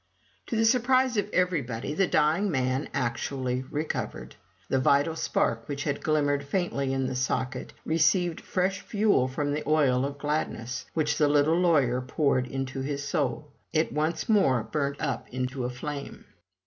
To the surprise of everybody the dying man actually recovered. The vital spark, which had glimmered faintly in the socket, received fresh fuel from the oil of gladness, which the little lawyer poured into his soul. It once more burnt up into a flame.